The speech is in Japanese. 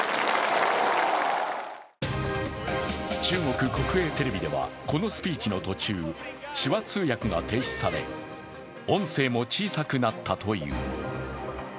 中国国営テレビでは、このスピーチの途中、手話通訳が停止され音声も小さくなったという。